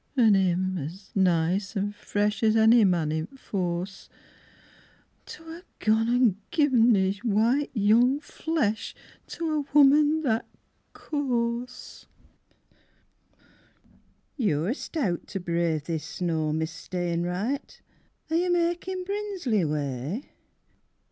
An' 'im as nice an' fresh As any man i' the force, To ha'e gone an' given his white young flesh To a woman that coarse! III You're stout to brave this snow, Miss Stainwright, Are you makin' Brinsley way?